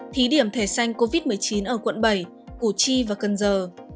thí điểm thể sanh covid một mươi chín ở quận bảy củ chi và cần giờ